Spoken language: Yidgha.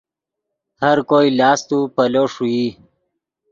ہر کوئی لاست و پیلو ݰوئی